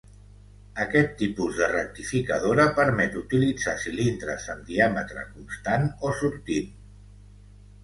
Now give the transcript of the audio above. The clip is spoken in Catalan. Aquest tipus de rectificadora permet utilitzar cilindres amb diàmetre constant o sortint.